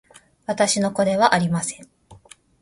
私の子ではありません